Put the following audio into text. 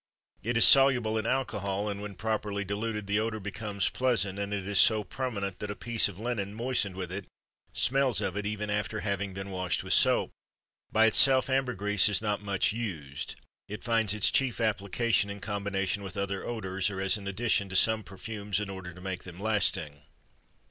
It is soluble in alcohol, and when properly diluted the odor becomes pleasant and it is so permanent that a piece of linen moistened with it smells of it even after being washed with soap. By itself, ambergris is not much used; it finds its chief application in combination with other odors or as an addition to some perfumes in order to make them lasting.